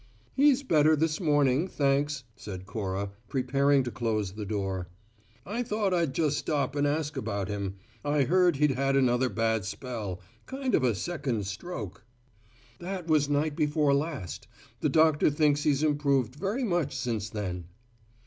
"He's better this morning, thanks," said Cora, preparing to close the door. "I thought I'd just stop and ask about him. I heard he'd had another bad spell kind of a second stroke." "That was night before last. The doctor thinks he's improved very much since then."